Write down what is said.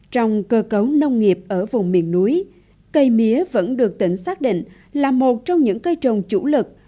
trong cơ cấu nông nghiệp ở vùng miền núi cây mía vẫn được tỉnh xác định là một trong những cây trồng chủ lực